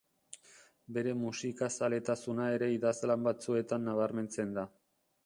Bere musikazaletasuna ere idazlan batzuetan nabarmentzen da.